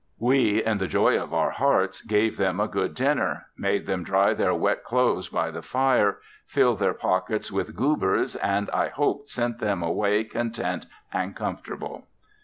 We, in the joy of our hearts, gave them a good dinner; made them dry their wet clothes by the fire; filled their pockets with "goobers" and I hope sent them away content and comfortable.